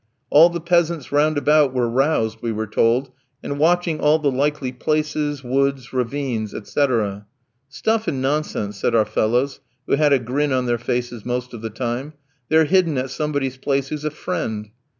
All the peasants round about were roused, we were told, and watching all the likely places, woods, ravines, etc. "Stuff and nonsense!" said our fellows, who had a grin on their faces most of the time, "they're hidden at somebody's place who's a friend."